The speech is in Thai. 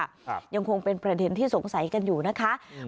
ครับยังคงเป็นประเด็นที่สงสัยกันอยู่นะคะอืม